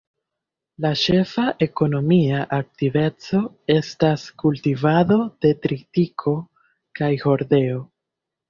La ĉefa ekonomia aktiveco estas kultivado de tritiko kaj hordeo.